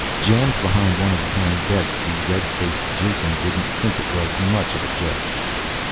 Jammed behind one of the tiny desks, the red faced Jason did not think it was much of a joke.